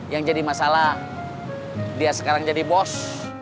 yang jadi masalah dia sekarang jadi bos